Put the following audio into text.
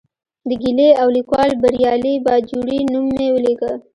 د ګیلې او لیکوال بریالي باجوړي نوم مې ولیکه.